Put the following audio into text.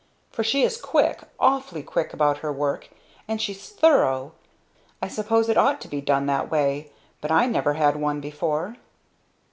For she is quick, awfully quick about her work. And she's thorough. I suppose it ought to be done that way but I never had one before."